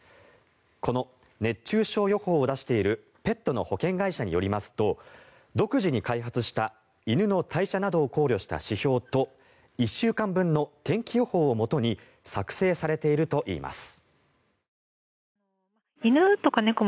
この熱中症予報を出しているペットの保険会社によりますと独自に開発した犬の代謝などを考慮した指標と１週間分の天気予報をもとに作成されているといいます。